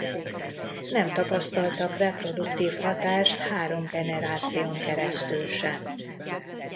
Nem tapasztaltak reproduktív hatást három generáción keresztül sem.